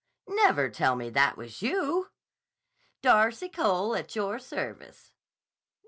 Never tell me that was you!" "Darcy Cole, at your service."